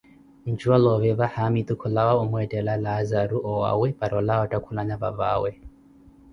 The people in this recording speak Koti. njuwalooveva haamitu kumwettela Laazaru owaawe para olawa otthakhulana papaawe .